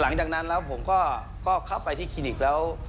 หลังจากนั้นแล้วผมก็เข้าไปที่คลินิกแล้ว